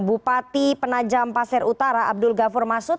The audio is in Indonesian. bupati penajam pasir utara abdul ghafur masud